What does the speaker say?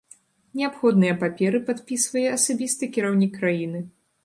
Неабходныя паперы падпісвае асабіста кіраўнік краіны.